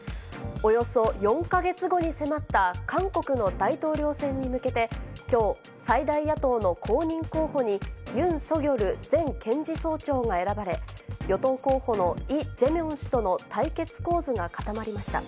およそ４か月後に迫った韓国の大統領選に向けて、きょう、最大野党の公認候補に、ユン・ソギョル前検事総長が選ばれ、与党候補のイ・ジェミョン氏との対決構図が固まりました。